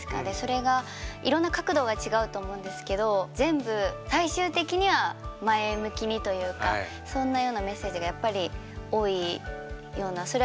でそれがいろんな角度は違うと思うんですけど全部最終的には前向きにというかそんなようなメッセージがやっぱり多いような。